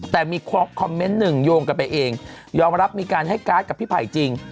แต่มีคอมเมนต์หนึ่งโยงกันไปเองยอมรับมีการให้การ์ดกับพี่ไผ่จริง